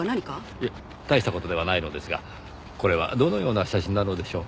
いえ大した事ではないのですがこれはどのような写真なのでしょう？